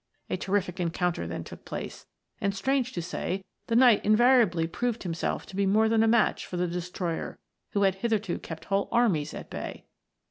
A terrific encounter then took place, and strange to say, the knight invariably proved himself to be more than a match for the destroyer who had hitherto kept whole armies at bay.